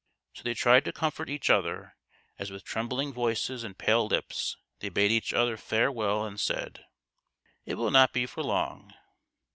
So they tried to comfort each other as with trem bling voices and pale lips they bade each other farewell and said :" It will not be for long